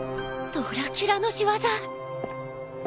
ドラキュラの仕業？